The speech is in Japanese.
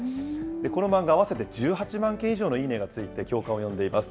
この漫画、合わせて１８万件以上のいいねがついて、共感を呼んでいます。